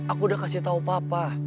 aku sudah kasih tahu papa